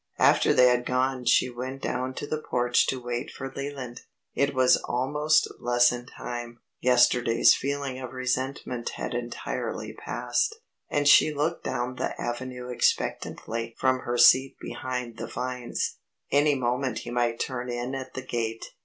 After they had gone she went down to the porch to wait for Leland. It was almost lesson time. Yesterday's feeling of resentment had entirely passed, and she looked down the avenue expectantly from her seat behind the vines. Any moment he might turn in at the gate.